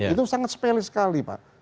itu sangat sepele sekali pak